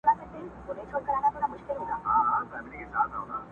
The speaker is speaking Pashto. زه دي يو ځلي پر ژبه مچومه.!